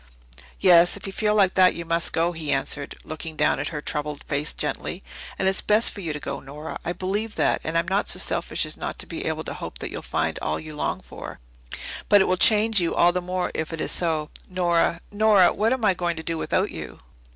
"Yes, if you feel like that you must go," he answered, looking down at her troubled face gently. "And it's best for you to go, Nora. I believe that, and I'm not so selfish as not to be able to hope that you'll find all you long for. But it will change you all the more if it is so. Nora! Nora! Whatever am I going to do without you!"